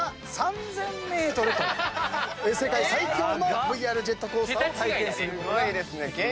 世界最強のＶＲジェットコースターを体験することができます。